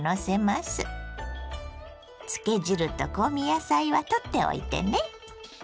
漬け汁と香味野菜は取っておいてね。